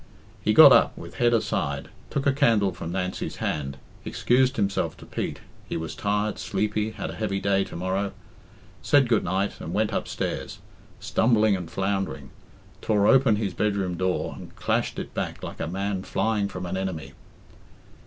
He got up, with head aside, took a candle from Nancy's hand, excused himself to Pete he was tired, sleepy, had a heavy day to morrow said "Good night," and went upstairs stumbling and floundering tore open his bedroom door, and clashed it back like a man flying from an enemy.